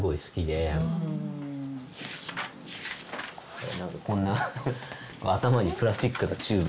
その何か何かこんな頭にプラスチックなチューブ